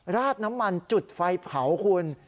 ราดน้ำมันจุดไฟเผาคุณ